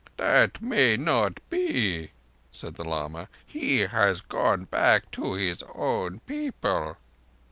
"That may not be," said the lama. "He has gone back to his own people."